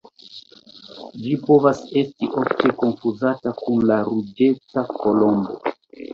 Ĝi povas esti ofte konfuzata kun la Ruĝeca kolombo.